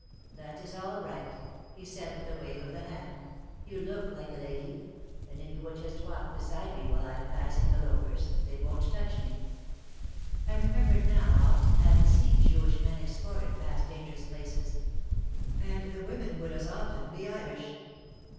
"That is all right," he said with a wave of the hand. "You look like a lady. And if you will just walk beside me while I am passing the loafers, they won't touch me." I remembered now often having seen Jewish men escorted past dangerous places. And the women would as often be Irish.